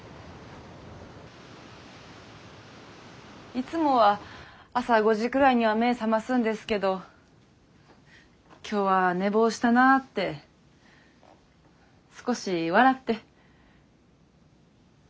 いつもは朝５時くらいには目覚ますんですけど今日は寝坊したなあって少し笑って。